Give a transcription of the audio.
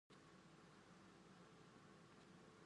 Di mana tembilang terentak, di situ cendawan tumbuh